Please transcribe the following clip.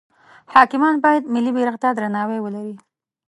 حاکمان باید ملی بیرغ ته درناوی ولری.